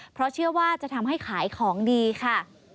เพราะเชื่อว่าจะทำให้ขายของดีค่ะ